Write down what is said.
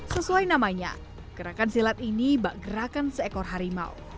sesuai namanya gerakan silat ini bergerakan seekor harimau